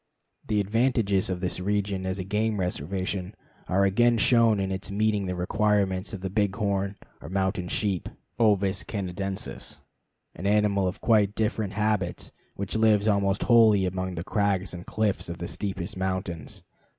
The advantages of this region as a game reservation are again shown in its meeting the requirements of the bighorn, or mountain sheep (Ovis canadensis), an animal of quite different habits, which lives almost wholly among the crags and cliffs of the steepest mountains.